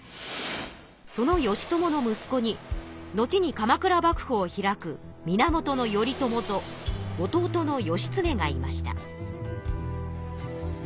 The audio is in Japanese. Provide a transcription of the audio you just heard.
その義朝のむすこに後に鎌倉幕府を開く源頼朝と弟の義経がいました。